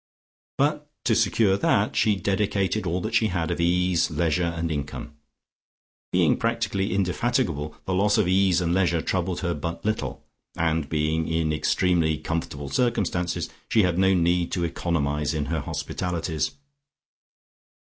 But to secure that she dedicated all that she had of ease, leisure and income. Being practically indefatigable the loss of ease and leisure troubled her but little and being in extremely comfortable circumstances, she had no need to economise in her hospitalities.